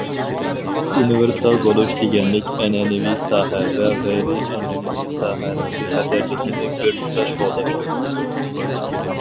‹‹ ئۇنىۋېرسال بولۇش›› دېگەنلىك ئەنئەنىۋى ساھە ۋە غەيرىي ئەنئەنىۋى ساھەنىڭ بىخەتەرلىكىنى بىر تۇتاش قوغداشتۇر.